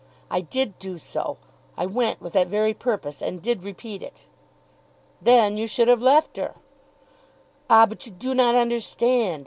"I did do so. I went with that very purpose, and did repeat it." "Then you should have left her." "Ah; but you do not understand.